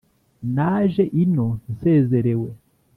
Naje ino nsezerewe